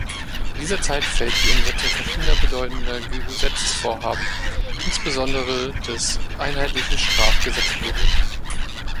In diese Zeit fällt die Umsetzung verschiedener bedeutender Gesetzesvorhaben, insbesondere des einheitlichen Strafgesetzbuches.